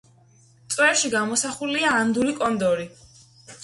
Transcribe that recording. წვერში გამოსახულია ანდური კონდორი.